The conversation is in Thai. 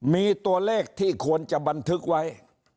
มีตัวเลขที่ควรจะบันทึกไว้